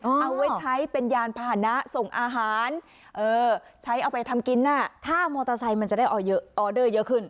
เอาไว้ใช้เป็นยานพาหนะส่งอาหารใช้เอาไปทำกินน่ะถ้ามอเตอร์ไซค์มันจะได้ออเดอร์เยอะขึ้น